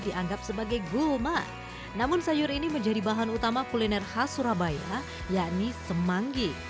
dianggap sebagai gulma namun sayur ini menjadi bahan utama kuliner khas surabaya yakni semanggi